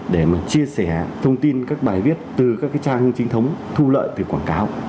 để chia sẻ thông tin các bài viết từ các trang hình chính thống thu lợi từ quảng cáo